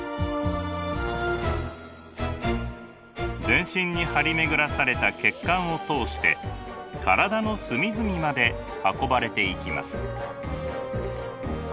全身に張り巡らされた血管を通して体の隅々まで運ばれていきます。